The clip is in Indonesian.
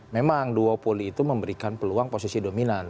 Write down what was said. memang duopoli itu memberikan peluang posisi dominan